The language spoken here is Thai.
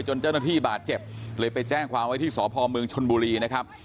เจ้าหน้าที่บาดเจ็บเลยไปแจ้งความไว้ที่สพเมืองชนบุรีนะครับ